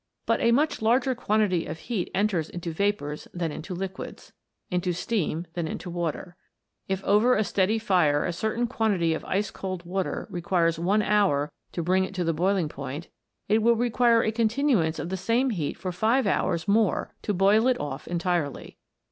But a much larger quantity of heat enters into vapours than into liquids into steam than into water. If over a steady fire a certain quantity of ice cold water requires one hour to bring it to the boiling point, it will require a 160 WATER BEWITCHED. continuance of the same heat for five hours more to boil it off entirely.